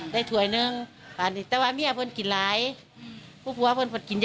ได้ถ่วยหนึ่งแต่ว่าพวกมันกินหลายพวกเผื่อพวก๑๖๑๘นะ